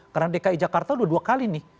karena dki jakarta dua dua kali nih